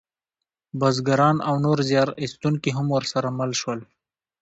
بزګران او نور زیار ایستونکي هم ورسره مل شول.